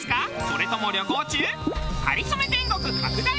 それとも旅行中？